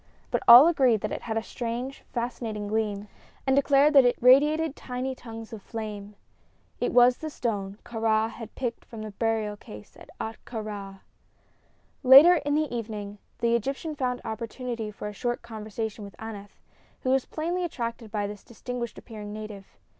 But all agreed that it had a strange, fascinating gleam, and declared that it radiated tiny tongues of flame. It was the stone Kāra had picked from the burial case of Ahtka Rā. Later in the evening the Egyptian found opportunity for a short conversation with Aneth, who was plainly attracted by this distinguished appearing native.